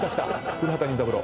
古畑任三郎。